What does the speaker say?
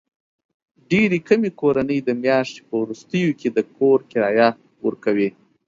ډېرې کمې کورنۍ د میاشتې په وروستیو کې د کور کرایه ورکوي.